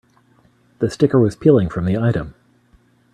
The sticker was peeling from the item.